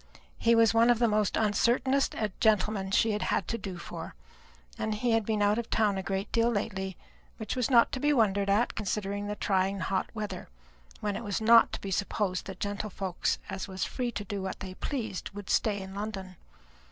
He was one of the most uncertingest gentlemen she had to do for; and he had been out of town a great deal lately; which was not to be wondered at, considering the trying hot weather, when it was not to be supposed that gentlefolks as was free to do what they pleased would stay in London.